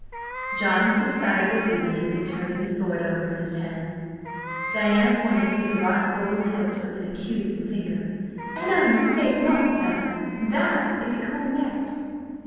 John subsided obediently, turning the sword over in his hands. Diana pointed to the wrought gold hilt with an accusing finger. "An I mistake not, sir, that is a coronet."